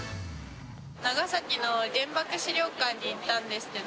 長崎の原爆資料館に行ったんですけど。